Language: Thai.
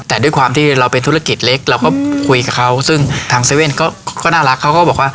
แต่ด้วยความที่เราเป็นธุรกิจเล็กเราก็คุยกับเขาซึ่งทาง๗๑๑ก็น่ารักเขาก็บอกว่า